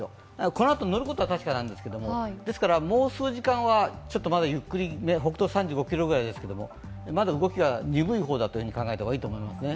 このあと乗ることは確かなんですけど、ですからもう数時間は、まだゆっくりめ、北東３５キロぐらいですけどまだ動きは鈍い方だと考えた方がいいと思いますね。